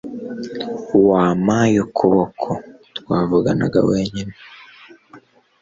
Wampaye ukuboko twavuganaga wenyine